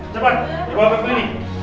cepat dibawa ke klinik